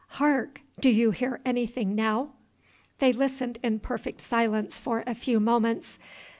Hark! do you hear anything now?" They listened in perfect silence for a few moments.